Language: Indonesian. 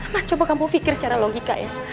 mas coba kamu pikir secara logika ya